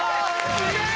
すげえ！